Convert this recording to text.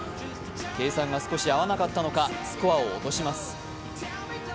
計算が少し合わなかったのかスコアを少し落とします。